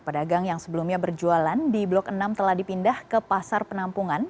pedagang yang sebelumnya berjualan di blok enam telah dipindah ke pasar penampungan